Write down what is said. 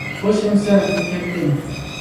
خوش ئەمىسە، مەن كەتتىم!